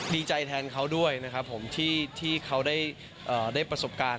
ดีใจแทนเขาด้วยนะครับผมที่เขาได้ประสบการณ์